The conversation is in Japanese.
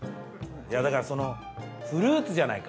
だからそのフルーツじゃないか？